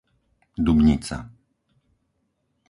Dubnica